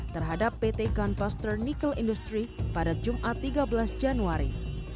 terhadap pt gunbuster nickel industry pada jumat tiga belas januari